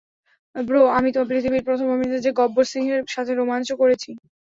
Bro, আমি পৃথিবীর প্রথম অভিনেতা যে গব্বর সিংয়ের সাথে রোমাঞ্চ করছি!